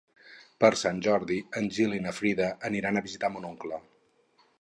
Per Sant Jordi en Gil i na Frida aniran a visitar mon oncle.